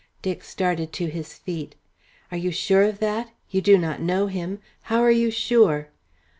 Dick started to his feet. "Are you sure of that? You do not know him. How are you sure?"